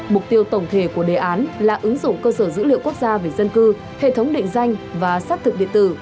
mục tiêu tổng thể của đề án là ứng dụng cơ sở dữ liệu quốc gia về dân cư hệ thống định danh và xác thực điện tử